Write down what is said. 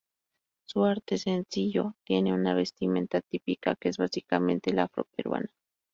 Su arte es sencillo, tienen una vestimenta típica que es básicamente la afroperuana.